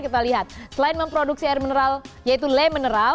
kita lihat selain memproduksi air mineral yaitu le mineral